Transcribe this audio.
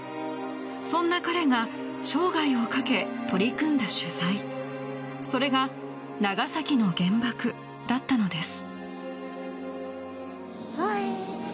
そんな彼が、生涯をかけ取り組んだ取材、それが長崎の原爆だったのです。